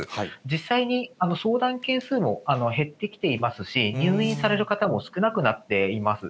実際に相談件数も減ってきていますし、入院される方も少なくなっています。